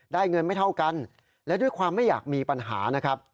เงินไม่เท่ากันและด้วยความไม่อยากมีปัญหานะครับ